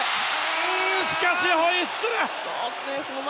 しかしホイッスル。